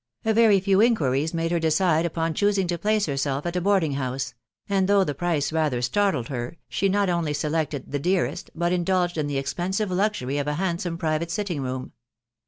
A very few inquiries made her decide upon choosing to place herself at a boarding house ; and though the price rather startled her, she not only selected the dearest, but indulged in the expensive luxury of a handsome private sitting room.